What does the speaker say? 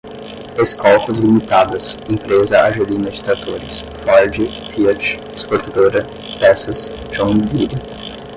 escoltas limitadas, empresa argelina de tratores, ford, fiat, exportadora, peças, john deere